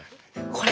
これ。